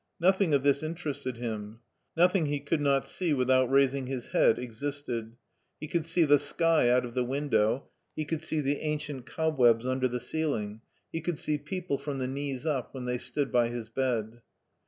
Nothing of this interested him, nothing he could not see without raising his head existed. He could see the sky out of the window, he could see the ancient cobwebs under the ceiling, he could see people from the knees up when they stood by his bed.